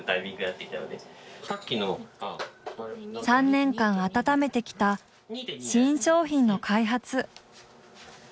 ３年間温めてきた新商品の開発。